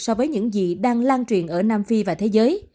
so với những gì đang lan truyền ở nam phi và thế giới